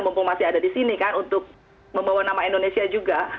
mumpung masih ada di sini kan untuk membawa nama indonesia juga